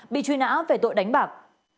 bị truy nã về tội đánh bạc